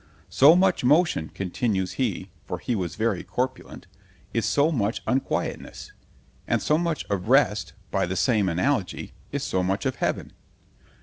—So much motion, continues he (for he was very corpulent)—is so much unquietness; and so much of rest, by the same analogy, is so much of heaven.